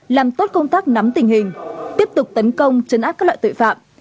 làm tốt công tác nắm tình hình tiếp tục tấn công chấn áp các loại tội phạm